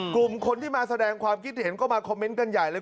กลุ่มคนที่มาแสดงความคิดเห็นก็มาคอมเมนต์กันใหญ่เลย